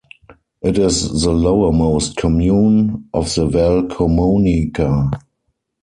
It is the lowermost commune of the Val Camonica.